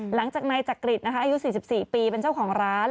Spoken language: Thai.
หลังจากนายจักริตนะคะอายุ๔๔ปีเป็นเจ้าของร้าน